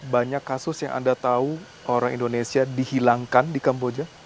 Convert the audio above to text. banyak kasus yang anda tahu orang indonesia dihilangkan di kamboja